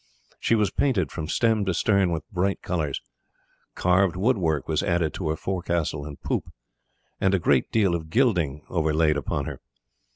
She was painted from stem to stern with bright colours. Carved wood work was added to her forecastle and poop, and a great deal of gilding overlaid upon her.